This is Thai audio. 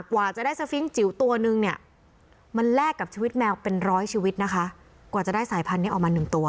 กว่าจะได้สฟิงค์จิ๋วตัวนึงเนี่ยมันแลกกับชีวิตแมวเป็นร้อยชีวิตนะคะกว่าจะได้สายพันธุ์นี้ออกมาหนึ่งตัว